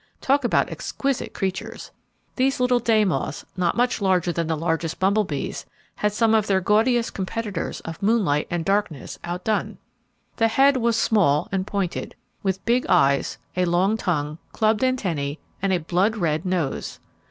Talk about exquisite creatures! These little day moths, not much larger than the largest bumble bees, had some of their gaudiest competitors of moonlight and darkness outdone. The head was small and pointed, with big eyes, a long tongue, clubbed antennae, and a blood red nose.